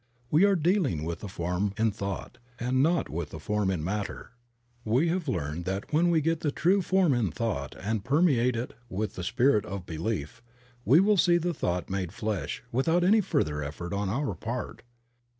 We are dealing with the form in thought, and not with the form in matter. We have learned that when we get the true form in thought and permeate it with the spirit of belief we will see the thought made flesh without any further effort on our part.